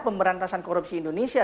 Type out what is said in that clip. pemberantasan korupsi indonesia